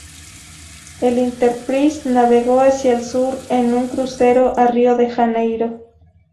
El "Enterprise" navegó hacia el sur en un crucero a Río de Janeiro.